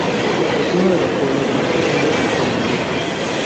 Es uno de los pueblos más pequeños de Extremadura.